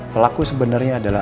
pelaku sebenarnya adalah